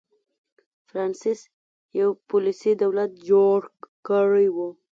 فرانسس یو پولیسي دولت جوړ کړی و.